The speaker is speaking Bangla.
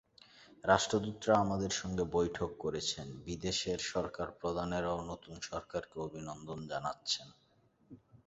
রাষ্ট্রদূতরা আমাদের সঙ্গে বৈঠক করছেন, বিদেশের সরকারপ্রধানেরাও নতুন সরকারকে অভিনন্দন জানাচ্ছেন।